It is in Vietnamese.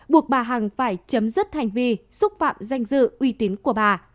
buộc bà hằng phải chấm dứt hành vi xúc phạm danh dự uy tín của bà